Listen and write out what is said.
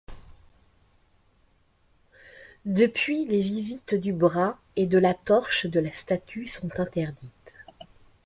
Depuis, les visites du bras et de la torche de la statue sont interdites.